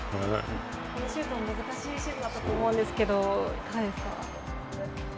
シュートも難しいシュートだったと思うんですが、いかがですか。